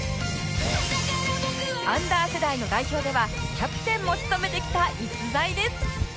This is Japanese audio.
アンダー世代の代表ではキャプテンも務めてきた逸材です